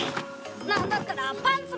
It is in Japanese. なんだったらパンツも。